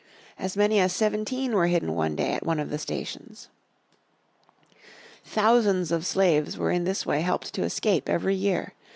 As many as seventeen were hidden one day at one of the stations. Thousands of slaves were in this way helped to escape every year.